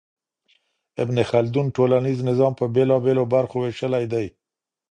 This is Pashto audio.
ابن خلدون ټولنيز نظام په بېلابېلو برخو وېشلی دی.